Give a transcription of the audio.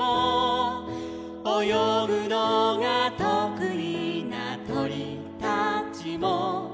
「およぐのがとくいなとりたちも」